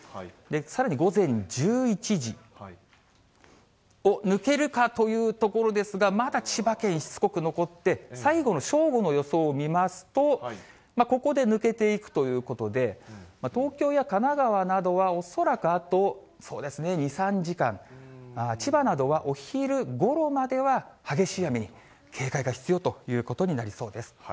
さらに午前１１時、抜けるかというところですが、まだ千葉県にしつこく残って、最後の正午の予想を見ますと、ここで抜けていくということで、東京や神奈川などは、恐らくあと、そうですね、２、３時間、千葉などはお昼ごろまでは激しい雨に警戒が必要ということになりそうです。